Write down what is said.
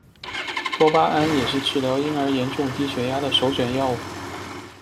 多巴胺也是治疗婴儿严重低血压的首选药物。